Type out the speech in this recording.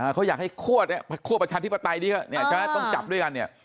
เขาอยากให้คั่วประชาธิปไตยที่เขาต้องจับด้วยกันเนี่ย